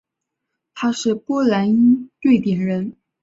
他是波兰裔瑞典人。